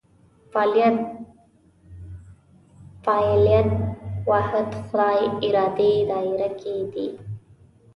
فعالیت فاعلیت واحد خدای ارادې دایره کې دي.